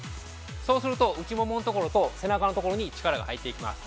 そうすると、内もものところと背中のところに力が入っていきます。